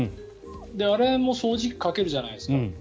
あれも掃除機かけるじゃないですか。